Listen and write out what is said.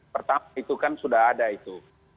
pertama itu kan sudah ada itu